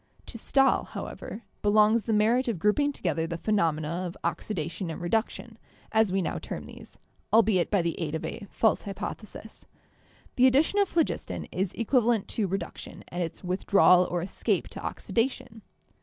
To Stahl, however, belongs the merit of grouping to gether the phenomena of oxidation and reduction, as we now term these, albeit by the aid of a false hypothesis. The addition of phlogiston is equivalent to reduction and its withdrawal or escape to oxidation.